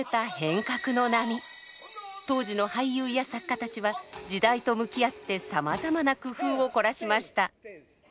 当時の俳優や作家たちは時代と向き合ってさまざまな工夫を凝らしました。